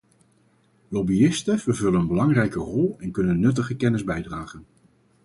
Lobbyisten vervullen een belangrijke rol en kunnen nuttige kennis bijdragen.